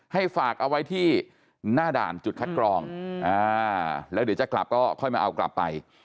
ให้ฝากเอาไว้ที่หน้าด่านจุดคัดกรองแล้วเดี๋ยวจะกลับก็ค่อยมาเอากลับไป